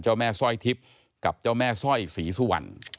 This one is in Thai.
แม่สร้อยทิพย์กับเจ้าแม่สร้อยศรีสุวรรณ